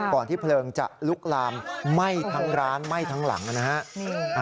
ที่เพลิงจะลุกลามไหม้ทั้งร้านไหม้ทั้งหลังนะฮะ